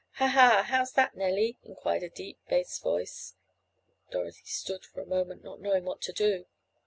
"Ha! Ha! How's that, Nellie?" inquired a deep bass voice. Dorothy stood for a moment, not knowing what to do.